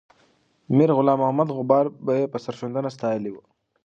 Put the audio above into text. میرغلام محمد غبار به یې سرښندنه ستایلې وه.